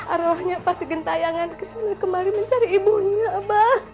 arwahnya pasti gentayangan keseluruh kemari mencari ibunya abah